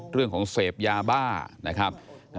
เรื่องของเสพยาบ้านะครับ